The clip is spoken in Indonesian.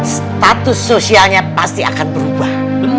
status sosialnya pasti akan berubah